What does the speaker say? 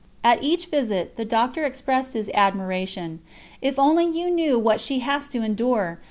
At each visit the doctor expressed his admiration. "If only you knew what she has to endure!